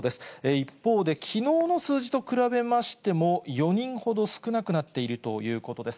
一方で、きのうの数字と比べましても４人ほど少なくなっているということです。